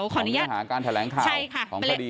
ของเนื้อหาการแถลงข่าวของพฤดี